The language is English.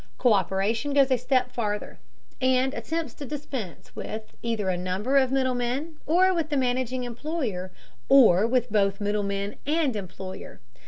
Co÷peration goes a step farther, and attempts to dispense with either a number of middlemen or with the managing employer, or with both middlemen and employer.